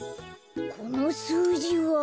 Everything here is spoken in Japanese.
このすうじは。